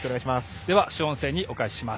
では、主音声にお返しします。